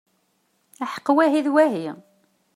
Aḥeqq wahi d wahi!